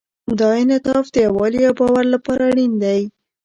دا انعطاف د یووالي او باور لپاره اړین دی.